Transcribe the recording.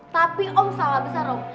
tapi om salah besar om